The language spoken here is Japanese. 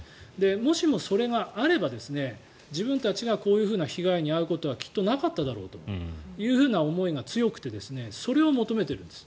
もしもそれがあれば、自分たちがこういう被害に遭うことはきっとなかっただろうという思いが強くてそれを求めているんです。